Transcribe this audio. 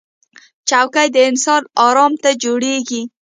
چوکۍ د انسان ارام ته جوړېږي